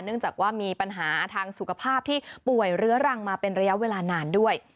จากว่ามีปัญหาทางสุขภาพที่ป่วยเรื้อรังมาเป็นระยะเวลานานด้วย